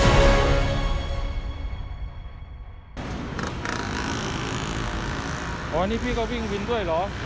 อันนี้พี่ก็วิ่งวินด้วยเหรอ